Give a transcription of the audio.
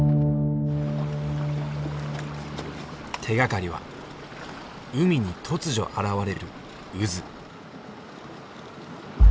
手がかりは海に突如現れる渦。